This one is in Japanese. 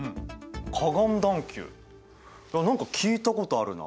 河岸段丘何か聞いたことあるな。